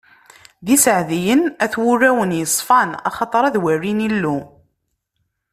D iseɛdiyen, at wulawen yeṣfan, axaṭer ad walin Illu!